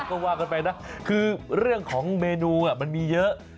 ก็ว่ากันไปนะคือเรื่องของเมนูมันมีเยอะ